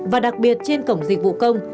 và đặc biệt trên cổng dịch vụ công